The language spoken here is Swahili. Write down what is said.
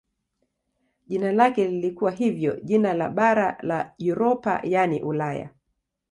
Jina lake lilikuwa hivyo jina la bara la Europa yaani Ulaya.